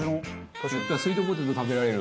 スイートポテト食べられる。